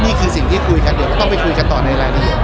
นี่คือสิ่งที่คุยกันเดี๋ยวก็ต้องไปคุยกันต่อในรายละเอียด